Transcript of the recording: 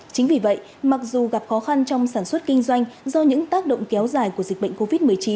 chính vì vậy mặc dù gặp khó khăn trong sản xuất kinh doanh do những tác động kéo dài của dịch bệnh covid một mươi chín